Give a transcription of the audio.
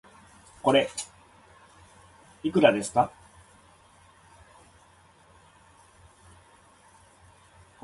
これ、いくらですか